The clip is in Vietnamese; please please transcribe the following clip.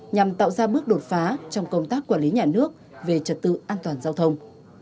nhằm tạo ra bước đột phá trong công tác quản lý nhà nước về trật tự an toàn giao thông